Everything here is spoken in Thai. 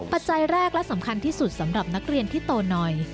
ปัจจัยแรกและสำคัญที่สุดสำหรับนักเรียนที่โตหน่อย